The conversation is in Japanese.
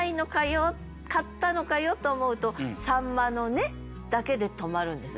買ったのかよと思うと「秋刀魚の値」だけで止まるんですよね。